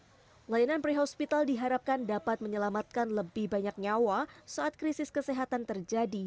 pelayanan pre hospital diharapkan dapat menyelamatkan lebih banyak nyawa saat krisis kesehatan terjadi